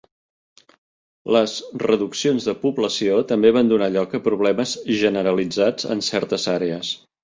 Les reduccions de població també van donar lloc a problemes generalitzats en certes àrees.